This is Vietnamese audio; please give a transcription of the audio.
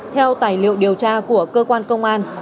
theo tài liệu điều tra của cơ quan công an